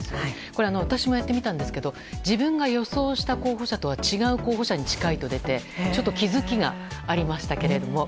これ、私もやってみたんですけど自分が予想した候補者とは違う候補者と近いと出てちょっと気付きがありましたけれども。